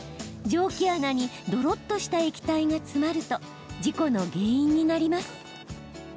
蒸気穴にどろっとした液体が詰まると事故の原因になります。